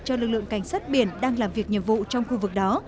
cho lực lượng cảnh sát biển đang làm việc nhiệm vụ trong khu vực đó